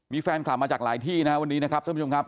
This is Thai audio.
มีแฟนคลับมาจากหลายที่นะวันนี้นะครับ